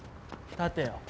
立てよ